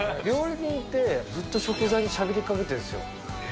料理人って、ずっと食材にしゃべりかけてるんですよ。